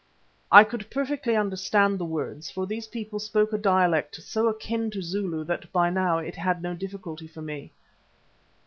I could perfectly understand the words, for these people spoke a dialect so akin to Zulu that by now it had no difficulty for me.